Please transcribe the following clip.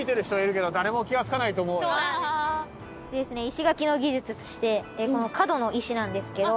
多分石垣の技術としてこの角の石なんですけど。